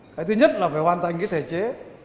cái thứ nhất là phải hoàn thành thể chế